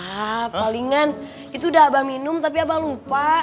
ah palingan itu udah abah minum tapi abah lupa